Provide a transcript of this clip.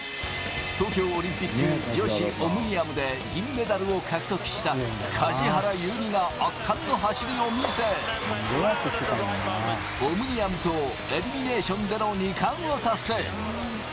東京オリンピック女子オムニアムで銀メダルを獲得した梶原悠未が圧巻の走りを見せ、オムニアムとエリミネーションでの２冠を達成。